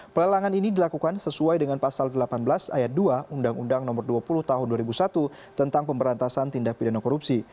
pelelangan ini dilakukan sesuai dengan pasal delapan belas ayat dua undang undang no dua puluh tahun dua ribu satu tentang pemberantasan tindak pidana korupsi